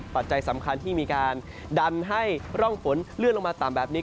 ปัจจัยสำคัญที่มีการดันให้ร่องฝนเลื่อนลงมาต่ำแบบนี้